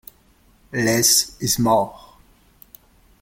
Less is more.